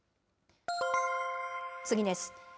次です。